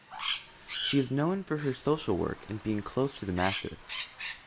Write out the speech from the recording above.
She is known for her social work and being close to the masses.